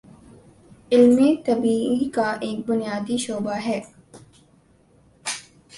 علم طبیعی کا ایک بنیادی شعبہ ہے